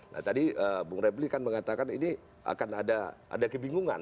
nah tadi bung repli kan mengatakan ini akan ada kebingungan